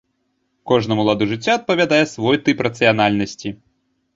Кожнаму ладу жыцця адпавядае свой тып рацыянальнасці.